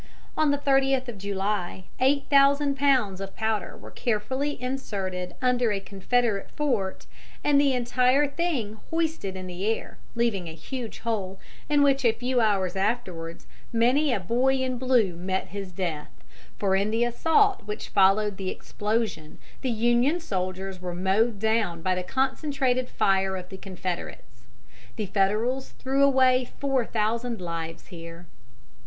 On the 30th of July, eight thousand pounds of powder were carefully inserted under a Confederate fort and the entire thing hoisted in the air, leaving a huge hole, in which, a few hours afterwards, many a boy in blue met his death, for in the assault which followed the explosion the Union soldiers were mowed down by the concentrated fire of the Confederates. The Federals threw away four thousand lives here.